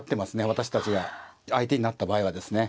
私たちが相手になった場合はですね。